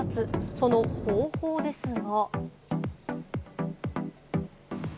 その方法ですが。